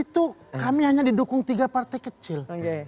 dua ribu empat itu kami hanya didukung tiga partai kecil